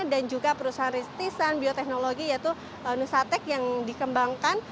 dan juga perusahaan ristisan biotechnolgy yaitu nusatec yang dikembangkan